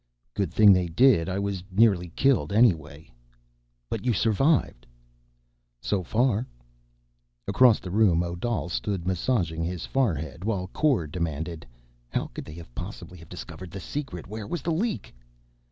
"Good thing they did. I was nearly killed anyway." "But you survived." "So far." Across the room, Odal stood massaging his forehead while Kor demanded: "How could they possibly have discovered the secret? Where was the leak?"